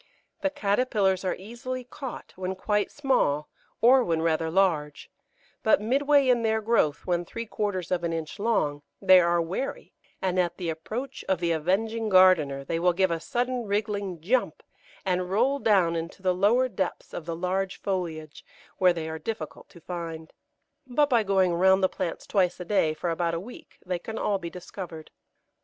The caterpillars are easily caught when quite small or when rather large; but midway in their growth, when three quarters of an inch long, they are wary, and at the approach of the avenging gardener they will give a sudden wriggling jump, and roll down into the lower depths of the large foliage, where they are difficult to find. But by going round the plants twice a day for about a week they can all be discovered.